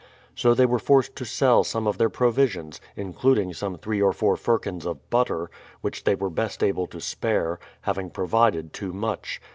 So they were forced to sell some of their provisions, including some three or four firkins of butter, which they were best able to spare, having provided too much.